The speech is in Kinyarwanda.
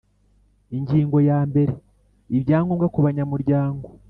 Ingingo ya mbere Ibyangombwa kubanyamuryango